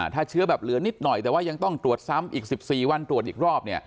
ถ้าเชื้อแบบเหลือนิดหน่อยแต่ว่ายังต้องตรวจซ้ำอีก๑๔วันตรวจอีกรอบ